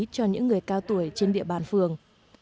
cho những người cao tuổi trên địa bàn phường